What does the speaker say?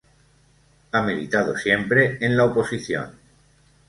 Ha militado siempre en la oposición.